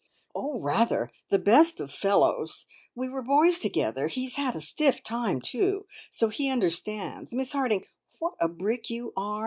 "Oh, rather. The best of fellows. We were boys together. He's had a stiff time, too, so he understands. Miss Harding, what a brick you are!